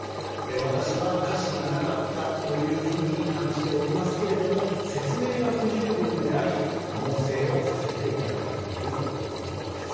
私は瑕疵がなかったというふうに感じておりますけれども説明が不十分であり猛省をさせていただいているということです。